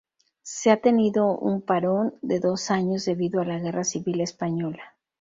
Solo ha tenido un parón de dos años debido a la Guerra Civil Española.